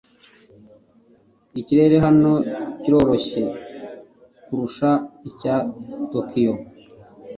Ikirere hano kiroroshye kurusha icya Tokiyo.